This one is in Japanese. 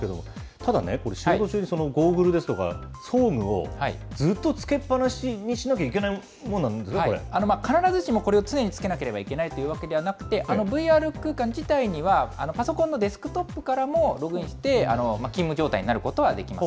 ただね、これ、仕事中にゴーグルとか装具をずっとつけっ放しにし必ずしもこれ、常につけなきゃいけないというものではなくて、ＶＲ空間自体には、パソコンのデスクトップからもログインして、勤務状態になることはできます。